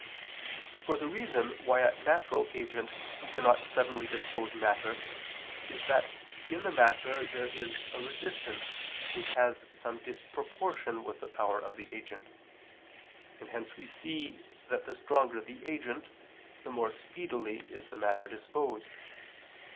For the reason why a natural agent cannot suddenly dispose matter is that in the matter there is a resistant which has some disproportion with the power of the agent; and hence we see that the stronger the agent, the more speedily is the matter disposed.